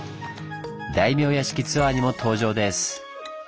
大名屋敷ツアーにも登場です！